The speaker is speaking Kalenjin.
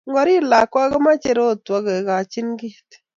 Ngoriir lakwa komache rotwo kikochin keet